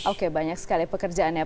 oke banyak sekali pekerjaannya